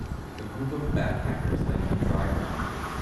a group of backpackers lay on the dry ground